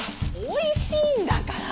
おいしいんだから！